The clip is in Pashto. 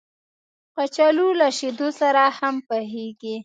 کچالو له شیدو سره هم پخېږي